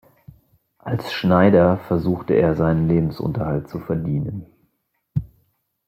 Als Schneider versuchte er seinen Lebensunterhalt zu verdienen.